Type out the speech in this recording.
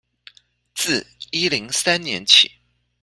自一零三年起